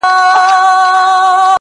هغه شملې ته پیدا سوی سر په کاڼو ولي٫